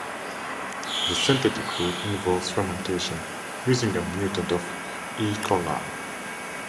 The synthetic route involves fermentation using a mutant of "E. coli".